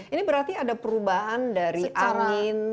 ini berarti ada perubahan dari angin